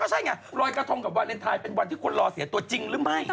ใช่ไงรอยกระทงกับวาเลนไทยเป็นวันที่คนรอเสียตัวจริงหรือไม่